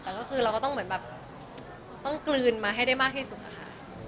แต่ก็คือเราก็ต้องเหมือนแบบต้องกลืนมาให้ได้มากที่สุดค่ะ